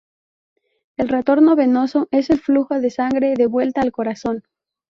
El retorno venoso es el flujo de sangre de vuelta al corazón.